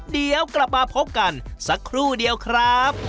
เดี๋ยวกลับมาพบกันสักครู่เดียวครับ